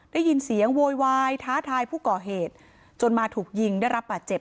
ได้ยินเสียงโวยวายท้าทายผู้ก่อเหตุจนมาถูกยิงได้รับบาดเจ็บ